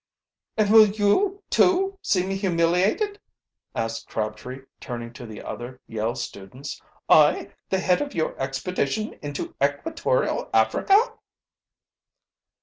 "And will you, too, see me humiliated?" asked Crabtree, turning to the other Yale students. "I, the head of your expedition into equatorial Africa!"